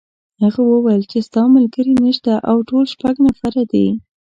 هغه وویل چې ستا ملګري نشته او ټول شپږ نفره دي.